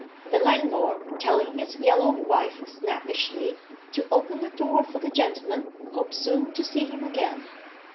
The landlord, telling his yellow wife snappishly to open the door for the gentleman, hoped soon to see him again.